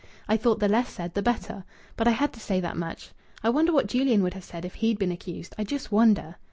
I thought the less said the better. But I had to say that much. I wonder what Julian would have said if he'd been accused. I just wonder!"